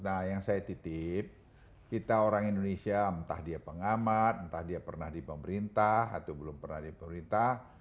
nah yang saya titip kita orang indonesia entah dia pengamat entah dia pernah di pemerintah atau belum pernah di pemerintah